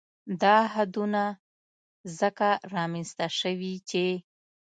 دا حدونه ځکه رامنځ ته شوي چې